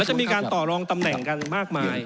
จะมีการต่อรองตำแหน่งกันมากมาย